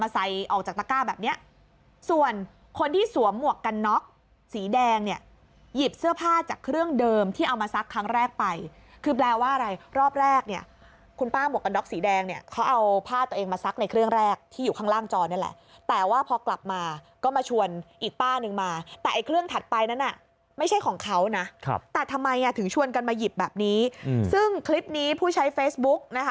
สีแดงเนี่ยหยิบเสื้อผ้าจากเครื่องเดิมที่เอามาซักครั้งแรกไปคือแปลว่าอะไรรอบแรกเนี่ยคุณป้าหมวกกันดอกสีแดงเนี่ยเขาเอาผ้าตัวเองมาซักในเครื่องแรกที่อยู่ข้างล่างจอนั่นแหละแต่ว่าพอกลับมาก็มาชวนอีกป้าหนึ่งมาแต่เครื่องถัดไปนะไม่ใช่ของเขานะครับแต่ทำไมถึงชวนกันมาหยิบแบบนี้ซึ่งคลิปนี้ผู้ใช้เฟซบ